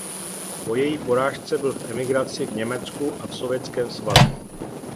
Po její porážce byl v emigraci v Německu a v Sovětském svazu.